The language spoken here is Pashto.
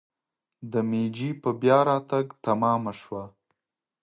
د میجي په بیا راتګ تمامه شوه.